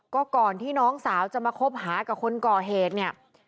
ก็ก่อนที่น้องสาวจะมาคบหากับคนก่อเหตุเนี่ย